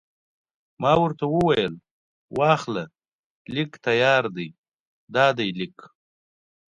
ما ورته وویل: واخله، لیک تیار دی، دا دی لیک.